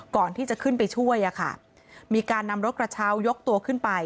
ก่อนที่จะขึ้นไปช่วยอ่ะค่ะมีการนำรถกระเช้ายกตัวขึ้นไป